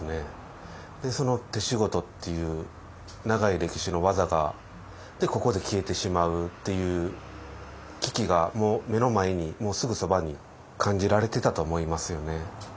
手仕事っていう長い歴史の技がここで消えてしまうっていう危機がもう目の前にすぐそばに感じられてたと思いますよね。